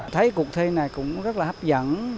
thấy cuộc thi này cũng rất là hấp dẫn